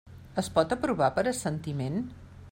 Es pot aprovar per assentiment?